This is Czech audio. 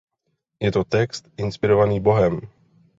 Je to text inspirovaný Bohem.